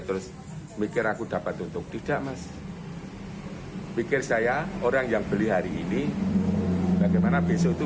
terus mikir aku dapat untuk tidak mas pikir saya orang yang beli hari ini bagaimana besok itu